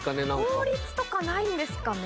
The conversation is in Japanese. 法律とかないんですかね。